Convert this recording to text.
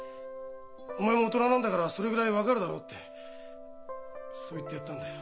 お前も大人なんだからそれぐらい分かるだろう」ってそう言ってやったんだよ。